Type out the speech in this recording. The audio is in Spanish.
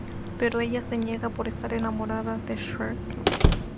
Pero ella se niega por estar enamorada de Shrek.